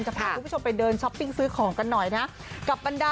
จะพาผู้ชมไปเดินช้อปปิ้งซื้อของกันหน่อยนะ